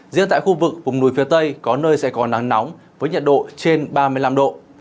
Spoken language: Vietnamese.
riêng tại khu vực vùng núi phía tây có nơi sẽ có nắng nóng với nhiệt độ trên ba mươi năm độ